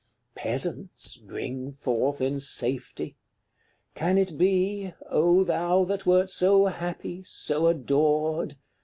CLXIX. Peasants bring forth in safety. Can it be, O thou that wert so happy, so adored!